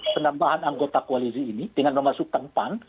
penambahan anggota koalisi ini dengan memasukkan pan